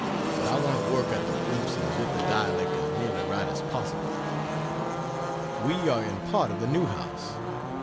But I want to work at the proofs and get the dialect as nearly right as possible. We are in part of the new house.